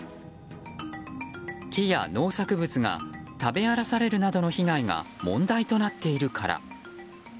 木や農作物が食べ荒らされるなどの被害が問題となっているから。